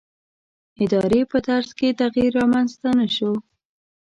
ادارې په طرز کې تغییر رامنځته نه شو.